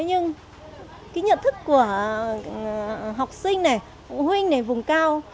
nhưng nhận thức của học sinh huynh vùng cao